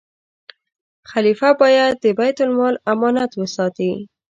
خلیفه باید د بیت المال امانت وساتي.